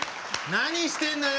何してんのよ！